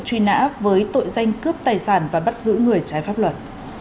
truy nã với tội danh cướp tài sản và bắt giữ người trái pháp luật